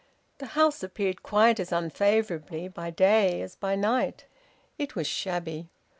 The house appeared quite as unfavourably by day as by night. It was shabby.